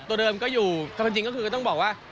ตัวเดิมก็อยู่ความจริงก็คือก็ต้องบอกว่า